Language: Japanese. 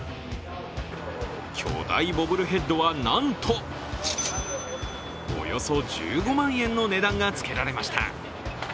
巨大ボブルヘッドはなんとおよそ１５万円の値段がつけられました。